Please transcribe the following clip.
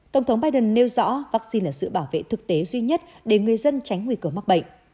tổng thống biden nêu rõ vaccine là sự bảo vệ thực tế duy nhất để người dân tránh nguy cơ mắc bệnh